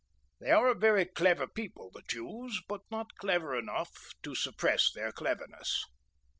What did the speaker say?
They are a very clever people, the Jews, but not clever enough to suppress their cleverness.